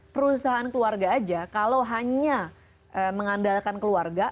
perusahaan keluarga aja kalau hanya mengandalkan keluarga